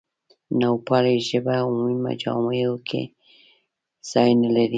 نوپالي ژبه عمومي مجامعو کې ځای نه لري.